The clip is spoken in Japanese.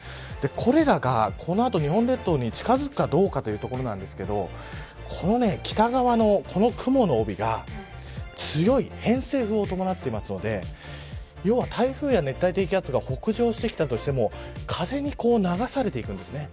これらがこの後、日本列島に近づくかどうかというところなんですが北側のこの雲の帯が強い偏西風を伴っていますので要は台風や熱帯低気圧が北上してきたとしても風に流されていくんですね。